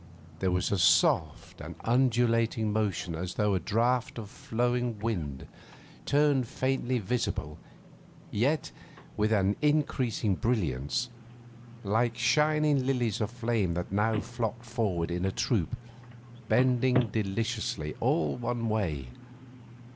There was a soft and undulating motion as though a draught of flowing wind turned faintly visible, yet with an increasing brilliance, like shining lilies of flame that now flocked forward in a troop, bending deliciously all one way.